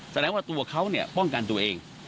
แสดงว่าตัวเขาเนี่ยป้องกันตัวเอง